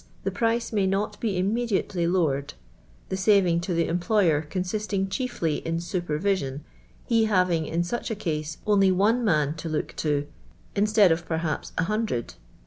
the price may n»t be innn'd"at<'!y l'i\v«»red ; the scixinc: to the empl'»yer cn^i itin:; chielly in super\ision, he liavini; in suih a case only one man to lo.>jt to in sN'ad of p rhaps a hundn»d.